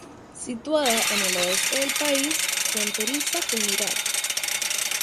Situada en el oeste del país, fronteriza con Irak.